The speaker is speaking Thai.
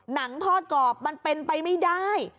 หนังทอดกรอบมันเป็นไปไม่ได้